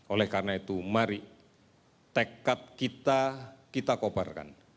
oleh karena itu mari tekad kita kita kobarkan